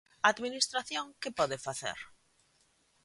A administración que pode facer?